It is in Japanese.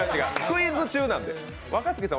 クイズ中なんで。